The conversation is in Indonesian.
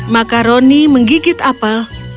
maka roni menggigit apel